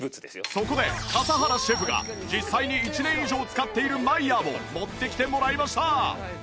そこで笠原シェフが実際に１年以上使っているマイヤーを持ってきてもらいました